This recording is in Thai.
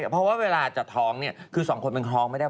เพราะว่าเวลาจะท้องเนี่ยคือสองคนมันคล้องไม่ได้